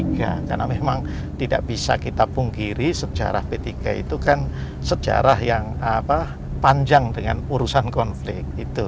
karena memang tidak bisa kita punggiri sejarah b tiga itu kan sejarah yang panjang dengan urusan konflik